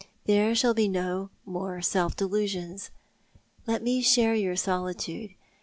There shall be no more self delusions. Let me share your solitude.